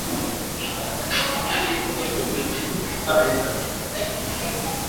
chuma majani ya viazi lishe